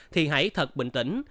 thì hãy thật bình tĩnh